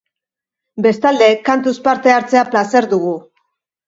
Bestalde, kantuz parte hartzea plazer dugu.